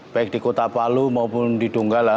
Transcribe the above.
baik di kota palu maupun di donggala